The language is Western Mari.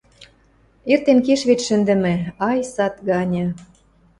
Эртен кеш вет шӹндӹмӹ, ай, сад ганьы.